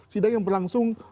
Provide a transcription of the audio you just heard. sidang yang berlangsung